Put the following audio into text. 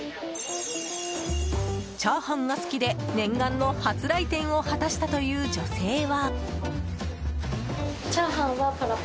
チャーハンが好きで念願の初来店を果たしたという女性は。